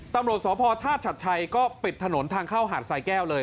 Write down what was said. ตำรวจสพธาตุชัดชัยก็ปิดถนนทางเข้าหาดสายแก้วเลย